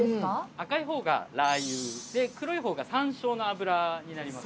赤いほうがラー油で黒いほうが山椒の油になります。